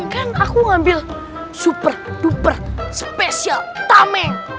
kan aku ngambil super duper spesial tameng